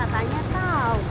lah lagi katanya tahu